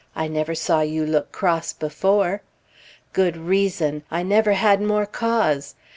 "I never saw you look cross before." Good reason! I never had more cause!